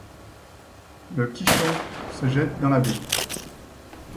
Le Kishon se jette dans la baie.